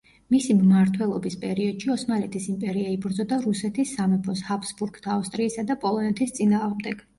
მისი მმართველობის პერიოდში ოსმალეთის იმპერია იბრძოდა რუსეთის სამეფოს, ჰაბსბურგთა ავსტრიისა და პოლონეთის წინააღმდეგ.